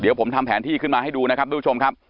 เดี๋ยวผมทำแผนที่ขึ้นมาให้ดูนะครับทุกผู้ชมครับ